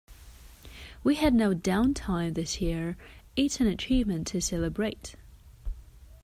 We had no downtime this year. It's an achievement to celebrate.